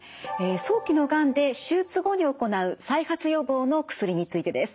早期のがんで手術後に行う再発予防の薬についてです。